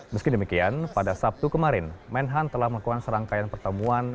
meski demikian pada sabtu kemarin menhan telah melakukan serangkaian pertemuan